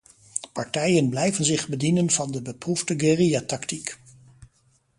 Partijen blijven zich bedienen van de beproefde guerrillatactiek.